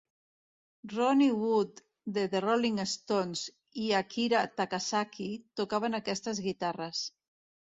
Ronnie Wood de The Rolling Stones i Akira Takasaki tocaven aquestes guitarres.